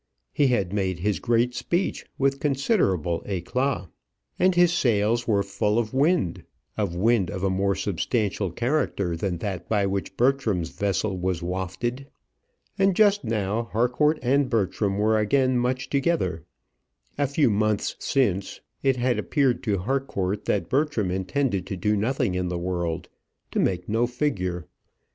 He had made his great speech with considerable éclat, and his sails were full of wind of wind of a more substantial character than that by which Bertram's vessel was wafted. And just now Harcourt and Bertram were again much together. A few months since it had appeared to Harcourt that Bertram intended to do nothing in the world, to make no figure.